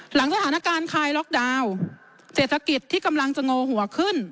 หลังสถานการณ์คลายล็อกดาวน์เศรษฐกิจที่กำลังจะโง่หัวขึ้น